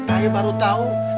ayah baru tau